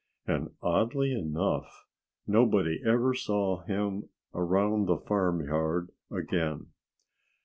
And oddly enough, nobody ever saw him around the farmyard again.